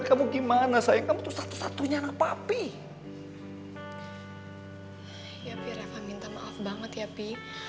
reva minta maaf banget ya pi